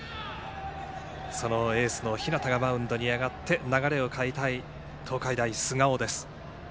そのエースの日當がマウンドに上がって流れを変えたい東海大菅生です。